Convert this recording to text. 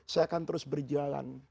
saya akan terus berjalan